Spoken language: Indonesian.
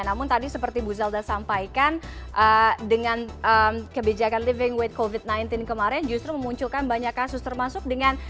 namun tadi seperti bu zelda sampaikan dengan kebijakan living with covid sembilan belas kemarin justru memunculkan banyak kasus termasuk dengan